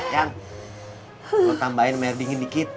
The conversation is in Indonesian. yang lo tambahin merdingin dikit